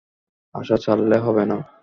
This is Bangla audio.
আশা ছাড়লে হবে না।